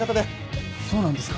そうなんですか？